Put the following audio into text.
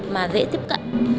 mà dễ tiếp cận